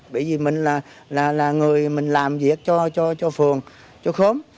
bởi vì mình là người làm việc cho phường cho khốm